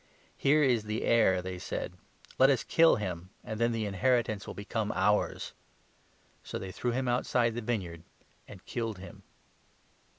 ' Here is the heir !' they said. ' Let us kill him, and then the inheritance will become ours.' So they threw him outside the vineyard and killed him.